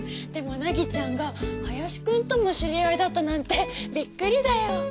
でも凪ちゃんが林くんとも知り合いだったなんてビックリだよ。